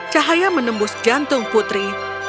cahaya menembus jantung putri